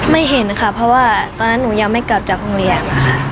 ไม่เห็นค่ะเพราะว่าตอนนั้นหนูยังไม่กลับจากโรงเรียนนะคะ